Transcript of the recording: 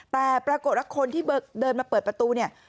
แต่ปรากฏว่าคนที่เดินมาเปิดประตูเนี่ย